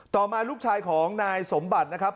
ต่อมาลูกชายของนายสมบัตินะครับ